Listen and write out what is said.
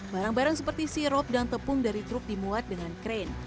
barang barang seperti sirop dan tepung dari truk dimuat dengan krain